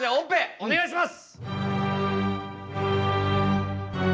お願いします。